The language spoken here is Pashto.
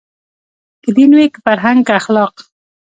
که دین وي که فرهنګ که اخلاق